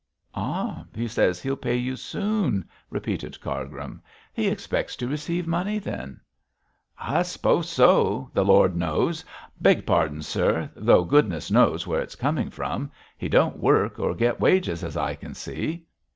'Ah! he says he'll pay you soon,' repeated Cargrim; 'he expects to receive money, then?' 'I s'pose so, tho' Lord knows! I beg pardon, sir tho' goodness knows where it's coming from. He don't work or get wages as I can see.'